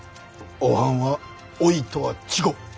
おはんはおいとは違っ。